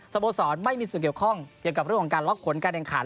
โมสรไม่มีส่วนเกี่ยวข้องเกี่ยวกับเรื่องของการล็อกผลการแข่งขัน